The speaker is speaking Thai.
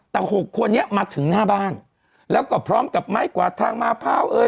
แต่หกคนนี้มาถึงหน้าบ้านแล้วก็พร้อมกับไม้กวาดทางมาพร้าวเอ้ย